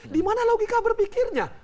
di mana logika berpikirnya